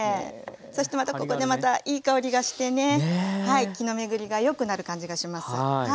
そしてまたここでまたいい香りがしてね気の巡りがよくなる感じがします。